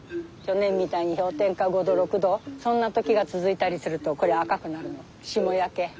去年みたいに氷点下５度６度そんな時が続いたりするとこれ赤くなるの霜焼け。